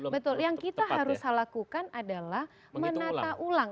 betul yang kita harus lakukan adalah menata ulang